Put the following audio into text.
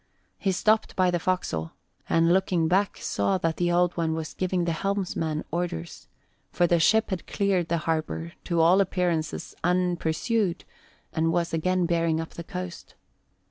He stopped by the forecastle, and looking back saw that the Old One was giving the helmsman orders, for the ship had cleared the harbour, to all appearances unpursued, and was again bearing up the coast.